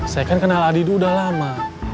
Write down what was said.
saya kan kenal aditya udah lama